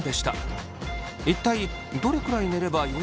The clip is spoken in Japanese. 一体どれくらい寝ればよいのでしょうか？